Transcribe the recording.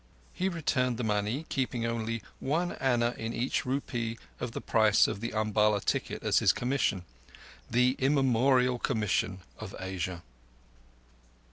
He returned the money, keeping only one anna in each rupee of the price of the Umballa ticket as his commission—the immemorial commission of Asia.